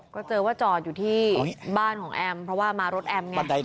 ก็เจอว่าจอดอยู่ที่บ้านของแอมเพราะว่ามารถแอมไง